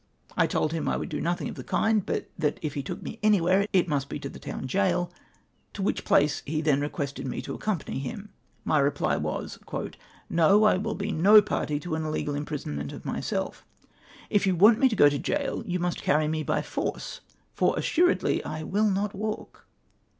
I told him that I would do nothing of the land, but that if he took me anywhere it must be to the town gaol, to which place he then requested me to accom pany him. My reply was :—" No. I will be no party to an illegal imprisonment of myself If you want me to go to gaol, you must carry me by force, for assuredly I will not walk."